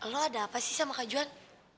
lo ada apa sih sama kajuan